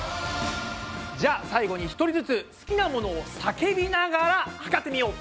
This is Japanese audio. じゃあ最後に１人ずつ好きなものを叫びながら測ってみよう！